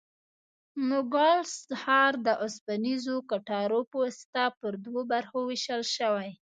نوګالس ښار د اوسپنیزو کټارو په واسطه پر دوو برخو وېشل شوی.